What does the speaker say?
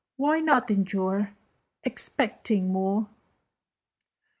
Why not endure, expecting more?"